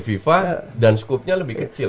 fifa dan skupnya lebih kecil